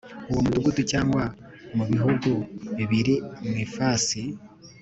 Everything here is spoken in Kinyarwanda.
uwo Mudugudu cyangwa mu Bihugu biri mu ifasi